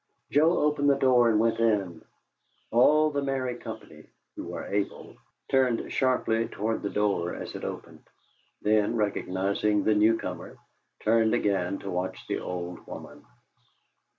Joe opened the door and went in. All of the merry company (who were able) turned sharply toward the door as it opened; then, recognizing the new comer, turned again to watch the old woman.